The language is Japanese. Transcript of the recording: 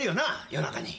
夜中に？